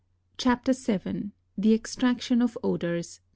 CHAPTER VII. THE EXTRACTION OF ODORS.